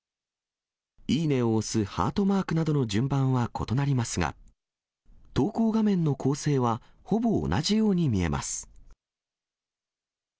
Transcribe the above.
いいねを押すハートマークなどの順番は異なりますが、投稿画面の構成は、ほぼ同じように見えます。